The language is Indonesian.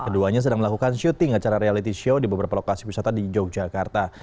keduanya sedang melakukan syuting acara reality show di beberapa lokasi wisata di yogyakarta